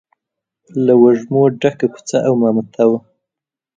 له وږمو ډکه کوڅه او مامته وه.